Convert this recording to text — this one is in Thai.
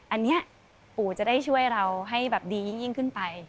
อันนี้ปู่จะได้ช่วยเราให้แบบดียิ่งขึ้นไป